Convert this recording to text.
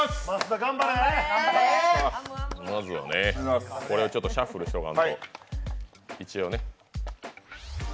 まずはこれをシャッフルしとかんと一応ね。